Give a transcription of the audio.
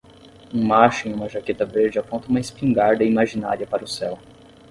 Um macho em uma jaqueta verde aponta uma espingarda imaginária para o céu.